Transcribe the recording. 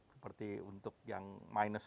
seperti untuk yang minus tujuh puluh